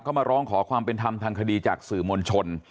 มาร้องขอความเป็นธรรมทางคดีจากสื่อมวลชน